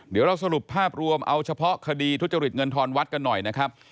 เดี๋ยวเราสรุปภาพรวมเอาเฉพาะคดีทุจริตเงินทอนวัดกันหน่อยนะครับ